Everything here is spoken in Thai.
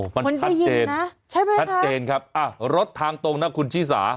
มันชัดเจนนะใช่ไหมค่ะชัดเจนครับอ่ะรถทางตรงน่ะคุณชี้สา